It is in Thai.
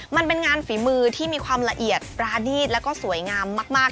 มันเป็นงานฝีมือที่มีความละเอียดปรานีตแล้วก็สวยงามมาก